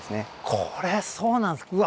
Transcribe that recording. これそうなんですうわ